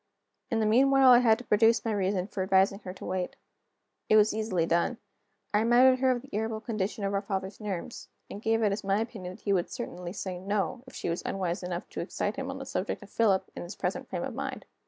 In the meanwhile, I had to produce my reason for advising her to wait. It was easily done. I reminded her of the irritable condition of our father's nerves, and gave it as my opinion that he would certainly say No, if she was unwise enough to excite him on the subject of Philip, in his present frame of mind.